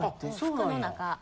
服の中。